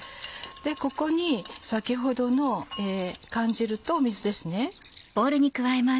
ここに先ほどの缶汁と水ですね。